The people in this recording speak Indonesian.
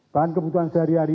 bahan kebutuhan sehari hari